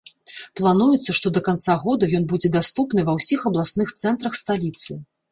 Плануецца, што да канца года ён будзе даступны ва ўсіх абласных цэнтрах сталіцы.